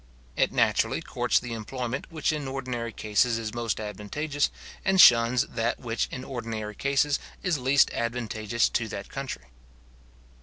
It naturally courts the employment which in ordinary cases is most advantageous, and shuns that which in ordinary cases is least advantageous to that country.